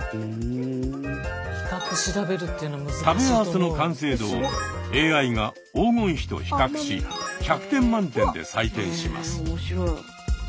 「食べ合わせ」の完成度をＡＩが黄金比と比較し１００点満点で採点します。